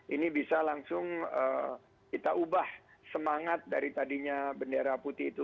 ini bisa langsung kita ubah semangat dari tadinya bendera putih itu